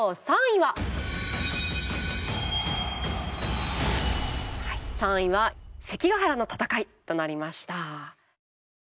はい３位は関ヶ原の戦いとなりました。